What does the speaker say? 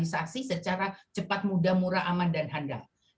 investasi secara cepat mudah murah aman dan handal